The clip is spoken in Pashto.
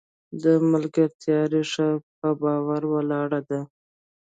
د ملګرتیا ریښه په باور ولاړه ده.